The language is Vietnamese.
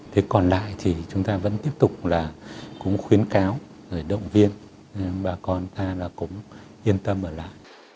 thế còn lại thì chúng ta vẫn tiếp tục là cũng khuyến cáo rồi động viên bà con ta là cũng yên tâm ở lại